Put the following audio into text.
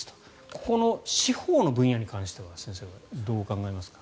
ここの司法の分野に関しては先生はどう考えますか？